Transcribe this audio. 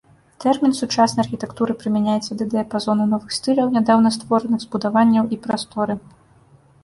Тэрмін сучаснай архітэктуры прымяняецца да дыяпазону новых стыляў нядаўна створаных збудаванняў і прасторы.